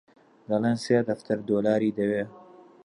دەڵێن سێ دەفتەر دۆلاری دەوێ